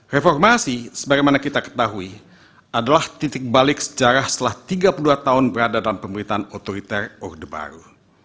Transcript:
reformasi sebagaimana kita ketahui adalah titik balik sejarah setelah tiga puluh dua tahun berada dalam pemerintahan otoriter orde baru